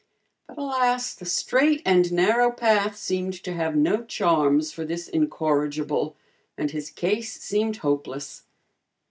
But alas, the straight and narrow path seemed to have no charms for this incorrigible, and his case seemed hopeless.